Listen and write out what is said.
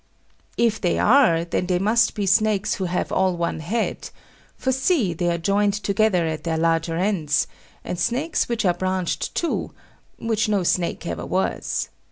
If they are, then they must be snakes who have all one head; for see, they are joined together at their larger ends; and snakes which are branched, too, which no snake ever was.